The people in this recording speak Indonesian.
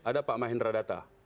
ada pak mahindra data